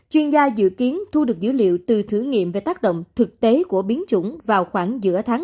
chuyên gia dự kiến thu được dữ liệu từ thử nghiệm về tác động thực tế của biến chủng vào khoảng giữa tháng một mươi hai